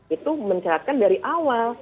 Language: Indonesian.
itu mencaratkan dari awal